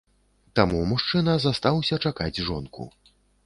Таму мужчына застаўся чакаць жонку.